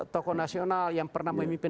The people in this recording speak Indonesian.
tokoh nasional yang pernah memimpin